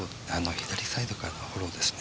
左サイドからのフォローですね。